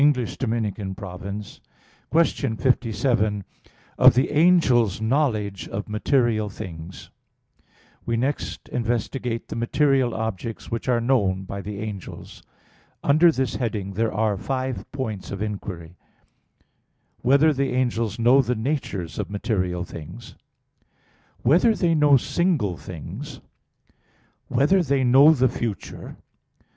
_______________________ QUESTION 57 OF THE ANGEL'S KNOWLEDGE OF MATERIAL THINGS (In Five Articles) We next investigate the material objects which are known by the angels. Under this heading there are five points of inquiry: (1) Whether the angels know the natures of material things? (2) Whether they know single things? (3) Whether they know the future?